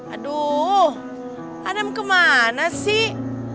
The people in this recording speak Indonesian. aduh adam kemana sih